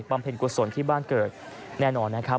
เพ็ญกุศลที่บ้านเกิดแน่นอนนะครับ